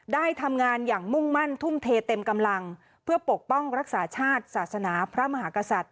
ได้ทำงานอย่างมุ่งมั่นทุ่มเทเต็มกำลังเพื่อปกป้องรักษาชาติศาสนาพระมหากษัตริย